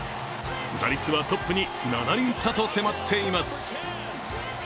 打率はトップに７厘差と迫っています。